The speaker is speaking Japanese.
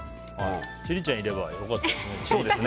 千里ちゃんいればよかったね。